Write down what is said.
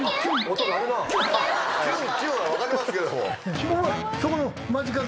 音鳴るなキュンキュンは分かりますけども。